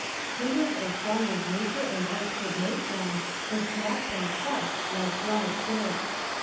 "Timbers as strong as nature and art could make them, were snapped and crushed like dry twigs.